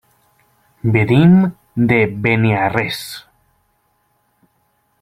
Venim de Beniarrés.